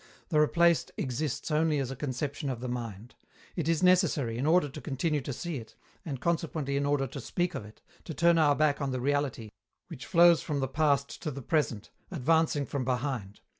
The replaced exists only as a conception of the mind. It is necessary, in order to continue to see it, and consequently in order to speak of it, to turn our back on the reality, which flows from the past to the present, advancing from behind.